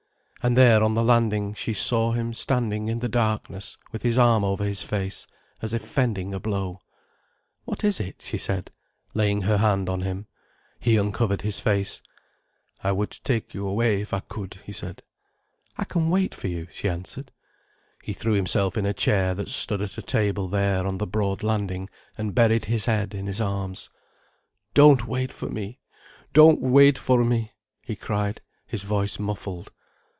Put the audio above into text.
And there on the landing she saw him standing in the darkness with his arm over his face, as if fending a blow. "What is it?" she said, laying her hand on him. He uncovered his face. "I would take you away if I could," he said. "I can wait for you," she answered. He threw himself in a chair that stood at a table there on the broad landing, and buried his head in his arms. "Don't wait for me! Don't wait for me!" he cried, his voice muffled.